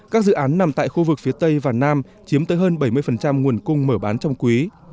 các dự án nằm tại khu vực phía tây và nam chiếm tới hơn bảy mươi nguồn cung mở bán trong quý